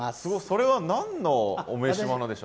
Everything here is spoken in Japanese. それは何のお召し物でしょう？